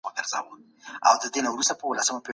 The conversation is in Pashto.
ډيپلوماسي د راتلونکي نسلونو د همکارۍ سرچینه ده.